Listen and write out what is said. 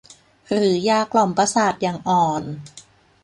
หรือยากล่อมประสาทอย่างอ่อน